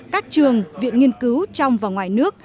các trường viện nghiên cứu trong và ngoài nước